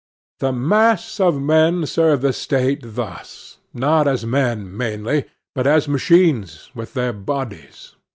The mass of men serve the State thus, not as men mainly, but as machines, with their bodies.